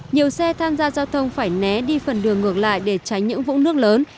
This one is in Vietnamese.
nhiều xe tham gia giao thông phải né đi phần đường ngược lại để tránh những vũng nước lớn